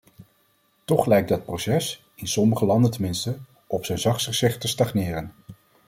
Toch lijkt dat proces, in sommige landen tenminste, op zijn zachtst gezegd te stagneren.